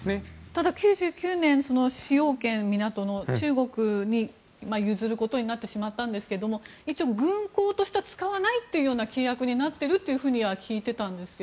ただ、９９年港の使用権を中国に譲ることになってしまったんですが一応、軍港としては使わないという契約になっているとは聞いていたんですが。